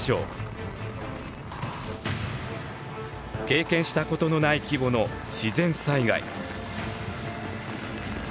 経験したことのない規模の自然災害。